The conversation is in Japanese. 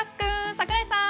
櫻井さん！